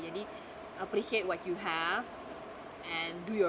jadi menghargai apa yang kamu punya